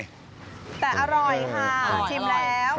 แต่อร่อยค่ะชิมแล้วอร่อย